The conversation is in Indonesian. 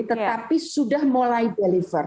tetapi sudah mulai deliver